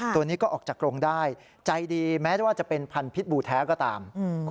ตัวนี้ก็ออกจากกรงได้ใจดีแม้ว่าจะเป็นพันธุ์บูแท้ก็ตาม